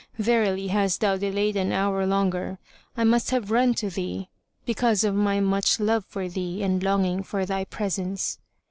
Verily, hadst thou delayed an hour longer, I must have run to thee, because of my much love for thee and longing for thy presence."